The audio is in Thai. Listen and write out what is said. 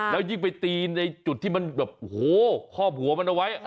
แล้วยิ่งไปตีในจุดที่แบบโหข้อหมัวมันเอาไว้